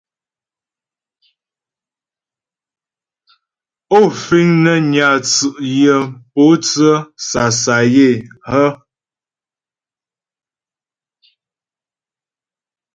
Ó fíŋ nə́ nyà tsʉ́' yə mpótsə́ sasayə́ hə́ ?